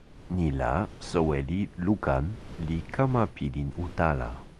ni la, soweli Lukan li kama pilin utala.